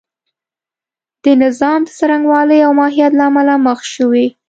د نظام د څرنګوالي او ماهیت له امله مخ شوې.